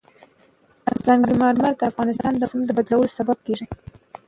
سنگ مرمر د افغانستان د موسم د بدلون سبب کېږي.